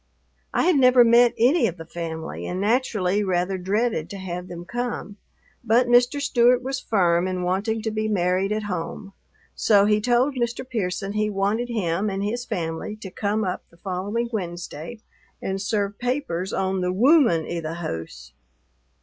I had never met any of the family and naturally rather dreaded to have them come, but Mr. Stewart was firm in wanting to be married at home, so he told Mr. Pearson he wanted him and his family to come up the following Wednesday and serve papers on the "wooman i' the hoose."